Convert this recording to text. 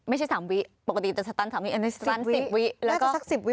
ไม่ใช่๓วิปกติจะสตันต์๓วิอันนี้สตันต์๑๐วิ